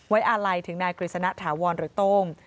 ไว้อาลัยถึงนายกริษณะถาวรรณหรือโต้ง